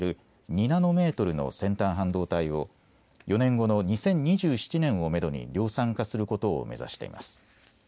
２ナノメートルの先端半導体を４年後の２０２７年をめどに量産化することを目指しています。